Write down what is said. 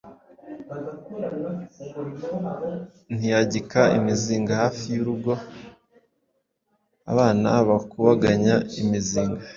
ntiyagika imizinga hafi y’urugo kuko abana bakubaganya imizinga,